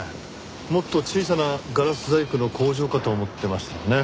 もっと小さなガラス細工の工場かと思ってましたがね。